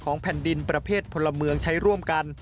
แผ่นดินประเภทพลเมืองใช้ร่วมกัน